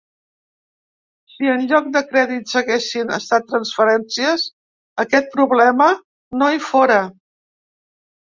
Si en lloc de crèdits haguessin estat transferències, aquest problema no hi fóra.